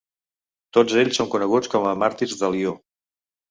Tot ells són coneguts com a Màrtirs de Lió.